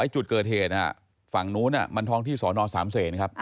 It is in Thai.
จุดเกิดเหตุฝั่งนู้นมันท้องที่สอนอ๓เซนครับ